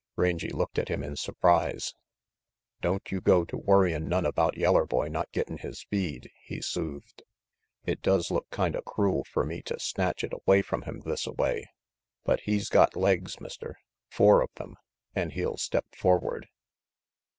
Rangy looked at him in surprise. "Don't you go to worryin' none about yeller boy not gettin' his feed," he soothed. "It does look kinda crool fer me to snatch it away from him thisaway, but he's got legs, Mister, four of them, an' he'll step forward."